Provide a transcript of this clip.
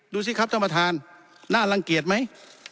ดูสิครับท่านประธานน่ารังเกียจไหม